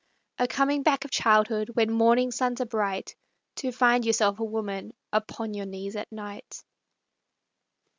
A coming back of childhood When morning suns are bright, To find yourself a woman Upon your knees at night.